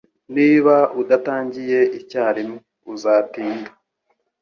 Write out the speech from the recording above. Niba udatangiye icyarimwe, uzatinda.